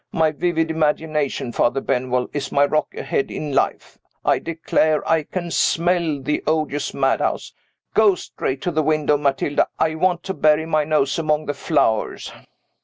My vivid imagination, Father Benwell, is my rock ahead in life. I declare I can smell the odious madhouse. Go straight to the window, Matilda; I want to bury my nose among the flowers."